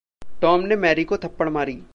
Tom ने Mary को थप्पड़ मारी।